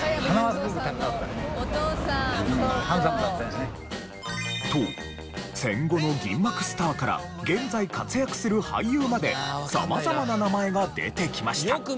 すると。と戦後の銀幕スターから現在活躍する俳優まで様々な名前が出てきました。